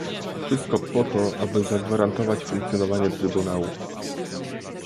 Wszystko po to, aby zagwarantować funkcjonowanie trybunału